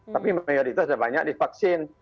tapi mayoritas sudah banyak divaksin